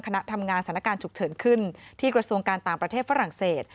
คณะทำงานสถานการณ์ฉุกเฉินขึ้นที่กระทรวงการต่างประเทศฝรั่งเศส